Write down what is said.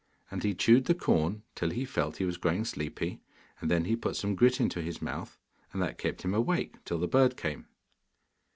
And he chewed the corn till he felt he was growing sleepy, and then he put some grit into his mouth, and that kept him awake till the bird came.